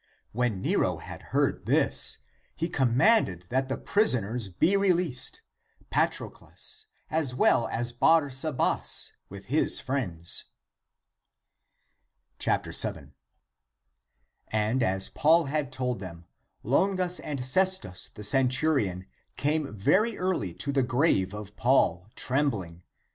'^ When Nero had heard (this), he commanded that the prisoners be released, Patroclus as well as Barsabas with his friends. 7. And as Paul had told them, Longus and Ces tus the centurion, came very early to the grave of Paul, trembling.